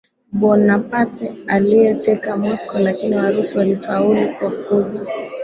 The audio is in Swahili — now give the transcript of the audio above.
Bonaparte aliyeteka Moscow lakini Warusi walifaulu kuwafukuza